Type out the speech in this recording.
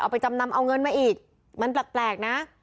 ไปจำนำเอาเงินมาอีกมันแปลกนะ